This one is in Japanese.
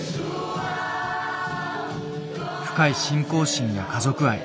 深い信仰心や家族愛。